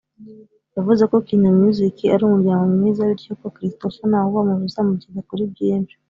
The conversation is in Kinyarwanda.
yavuze ko Kina Music ‘ari umuryango mwiza bityo ko Christopher nawubamo bizamugeza kuri byinshi’